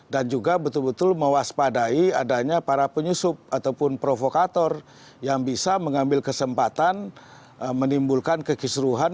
dan juga betul betul mewaspadai adanya para penyusup ataupun provokator yang bisa mengambil kesempatan menimbulkan kekisruhan